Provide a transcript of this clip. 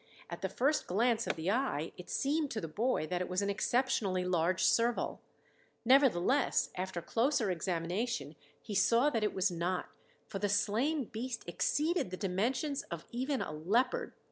At the first glance of the eye it seemed to the boy that it was an exceptionally large serval; nevertheless, after closer examination he saw that it was not, for the slain beast exceeded the dimensions of even a leopard.